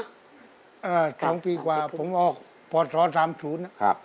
อ่าสองปีกว่าผมออกพอร์ตศ๓๐นะ